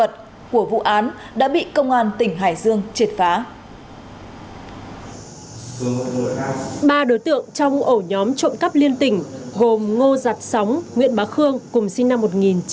trong ổ nhóm trộm cắp liên tỉnh gồm ngô giặt sống nguyễn bá khương cùng sinh năm một nghìn chín trăm chín mươi một